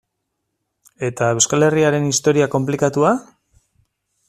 Eta Euskal Herriaren historia konplikatua?